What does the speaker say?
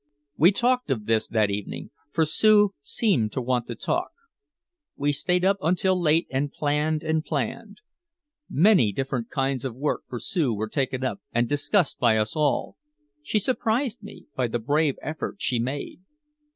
We talked of this that evening, for Sue seemed to want to talk. We stayed up until late and planned and planned. Many different kinds of work for Sue were taken up and discussed by us all. She surprised me by the brave effort she made.